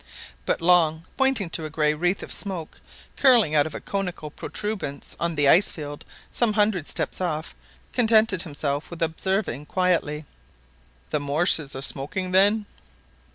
But Long, pointing to a grey wreath of smoke curling out of a conical protuberance on the ice field some hundred steps off, contented himself with observing quietly— "The morses are smoking, then